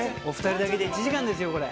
お二人だけで１時間ですよ